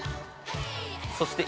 そして。